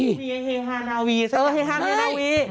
แฮฮาลาวีสักกันไม่เออแฮฮาลาวี